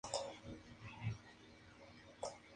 Elementos góticos como la portada oeste y la espadaña.